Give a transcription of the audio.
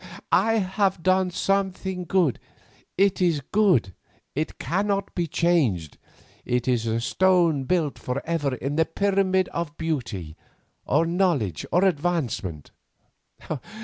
'I have done something; it is good; it cannot be changed; it is a stone built for ever in the pyramid of beauty, or knowledge, or advancement.